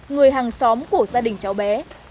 người hàng xóm của gia đình cháu bé